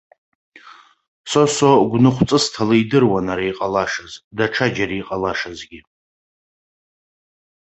Сосо гәныхәҵысҭала идыруан ара иҟалашаз, даҽаџьара иҟалашазгьы.